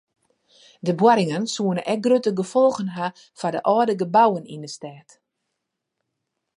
De boarringen soene ek grutte gefolgen ha foar de âlde gebouwen yn de stêd.